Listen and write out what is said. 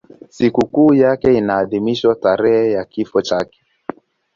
Sikukuu yake inaadhimishwa tarehe ya kifo chake.